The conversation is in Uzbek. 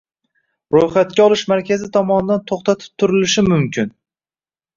ro‘yxatga olish markazi tomonidan to‘xtatib turilishi mumkin.